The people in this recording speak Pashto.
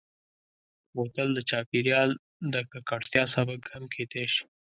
بوتل د چاپېریال د ککړتیا سبب هم کېدای شي.